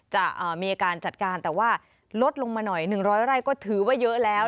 จะมีการจัดการแต่ว่าลดลงมาหน่อย๑๐๐ไร่ก็ถือว่าเยอะแล้ว